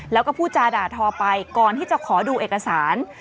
แล้วก็พูดจาด่าทอไปก่อนที่จะขอดูเอกสาร